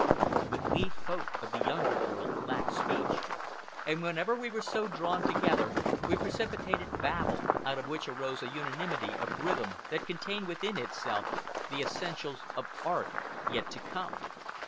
But we Folk of the Younger World lacked speech, and whenever we were so drawn together we precipitated babel, out of which arose a unanimity of rhythm that contained within itself the essentials of art yet to come.